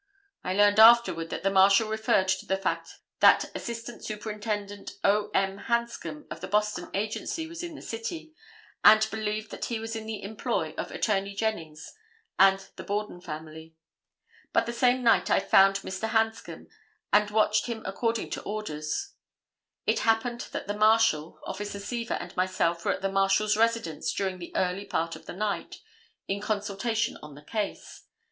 I learned afterward that the Marshal referred to the fact that Assistant Superintendent O. M. Hanscom of the Boston Agency was in the city, and believed that he was in the employ of Attorney Jennings and the Borden family. But the same night I found Mr. Hanscom, and watched him according to orders. It happened that the Marshal, Officer Seaver and myself were at the Marshal's residence during the early part of the night in consultation on the case.